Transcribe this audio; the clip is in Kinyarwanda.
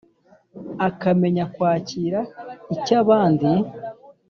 akamenya kwakira icyabandi